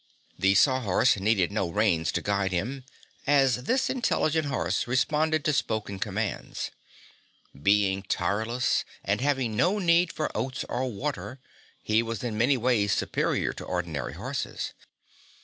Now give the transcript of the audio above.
The Sawhorse needed no reins to guide him, as this intelligent horse responded to spoken commands. Being tireless and having no need for oats or water, he was in many ways superior to ordinary horses.